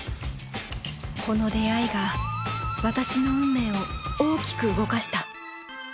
この出会いが私の運命を大きく動かした